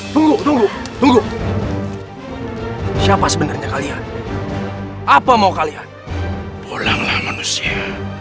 tunggu tunggu siapa sebenarnya kalian apa mau kalian pulanglah manusia